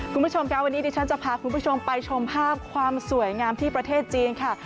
คุณผู้ชมค่ะวันนี้ดิฉันจะพาคุณผู้ชมไปชมภาพความสวยงามที่ประเทศจีนค่ะ